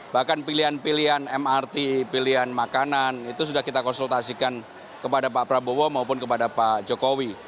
bahkan pilihan pilihan mrt pilihan makanan itu sudah kita konsultasikan kepada pak prabowo maupun kepada pak jokowi